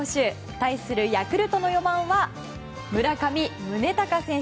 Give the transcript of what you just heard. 対するヤクルトの４番は村上宗隆選手。